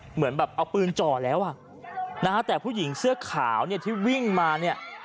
เหมือนแบบเอาปืนจ่อแล้วอ่ะนะฮะแต่ผู้หญิงเสื้อขาวเนี่ยที่วิ่งมาเนี่ย